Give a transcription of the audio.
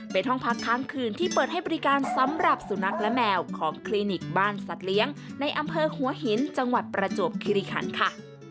เป็นห้องพักค้างคืนที่เปิดให้บริการสำหรับสุนัขและแมวของคลินิกบ้านสัตว์เลี้ยงในอำเภอหัวหินจังหวัดประจวบคิริคันค่ะ